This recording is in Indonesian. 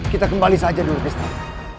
kita kembali saja dulu bisnis